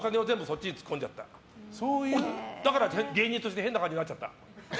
だから芸人として変な感じになっちゃった。